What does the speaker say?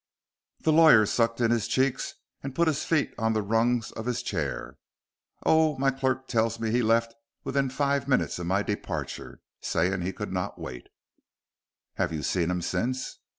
The lawyer sucked in his cheeks and put his feet on the rungs of his chair. "Oh, my clerk tells me he left within five minutes of my departure, saying he could not wait." "Have you seen him since?"